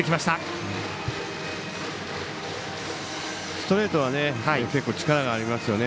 ストレートは結構、力がありますね。